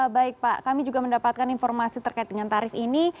baik pak kami juga mendapatkan informasi terkait dengan tarif ini